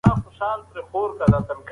خیر محمد د رڼا لپاره تېل اخیستل.